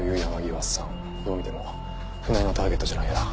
どう見ても船井のターゲットじゃないよな。